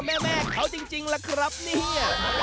เจ้าตาแม่เขาจริงครับนี่